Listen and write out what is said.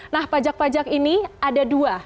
nah pajak pajak ini ada dua